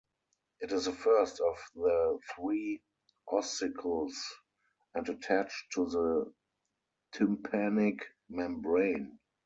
It is the first of the three ossicles, and attached to the tympanic membrane.